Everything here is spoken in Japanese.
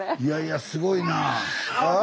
いやいやすごいなあ。